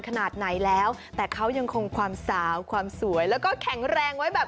ขนาดไหนแล้วแต่เขายังคงความสาวความสวยแล้วก็แข็งแรงไว้แบบ